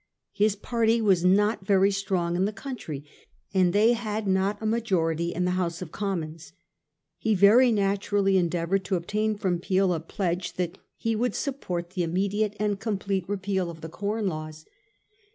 His party were not very strong in the country, and they had not a majority in the House of Commons. He very naturally endeavoured to obtain from Peel a pledge that he would support the 1845. RUSSELL'S ATTEMPT TO FORM A MINISTRY. 373 immediate and complete repeal of the Corn Laws.